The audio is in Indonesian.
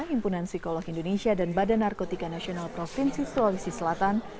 himpunan psikolog indonesia dan badan narkotika nasional provinsi sulawesi selatan